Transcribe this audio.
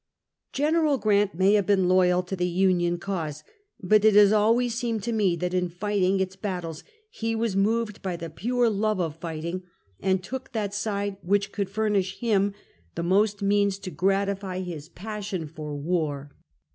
Gen. Grant may have been loyal to the Union cause, but it has always seemed to me that in fighting its battles, he was moved by the pure love of fighting, and took that side which could furnish him the most means to gratify his passion for war.